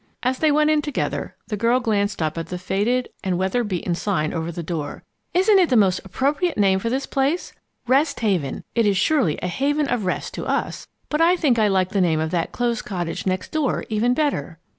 As they went in together, the girl glanced up at the faded and weather beaten sign over the door. "Isn't it the most appropriate name for this place! 'Rest Haven.' It is surely a haven of rest to us. But I think I like the name of that closed cottage next door even better."